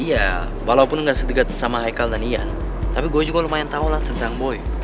iya walaupun gak sedekat sama haikal dan iya tapi gue juga lumayan tahu lah tentang boy